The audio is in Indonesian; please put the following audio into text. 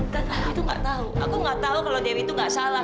itu nggak tahu aku nggak tahu kalau dewi itu nggak salah